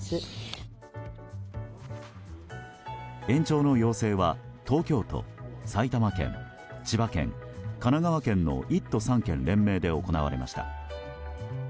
延長の要請は、東京都埼玉県、千葉県、神奈川県の１都３県連名で行われました。